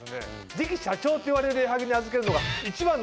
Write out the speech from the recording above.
次期社長っていわれる矢作に預けるのが一番なんです。